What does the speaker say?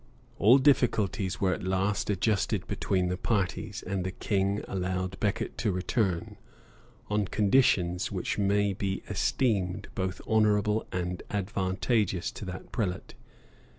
{1170.} All difficulties were at last adjusted between the parties; and the king allowed Becket to return, on conditions which may be esteemed both honorable and advantageous to that prelate.